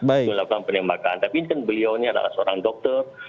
melakukan penembakan tapi ini kan beliau ini adalah seorang dokter